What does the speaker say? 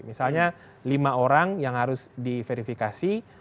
misalnya lima orang yang harus diverifikasi